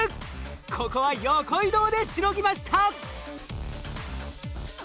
ここは横移動でしのぎました。